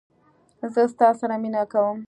زه ستا سره مینه کوم